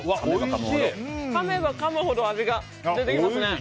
かめばかむほど味が出てきますね。